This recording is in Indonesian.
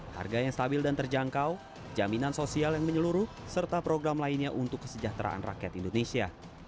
harga yang stabil dan terjangkau jaminan sosial yang menyeluruh serta program lainnya untuk kesejahteraan rakyat indonesia